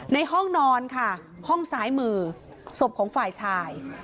ในห้องนอนห้องสายมือสบของฝ่ายชัย